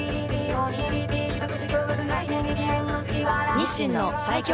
日清の最強